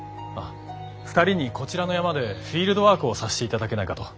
２人にこちらの山でフィールドワークをさしていただけないかと。